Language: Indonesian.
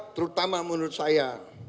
terutama menurut saya